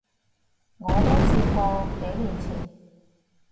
我都試過，幾年前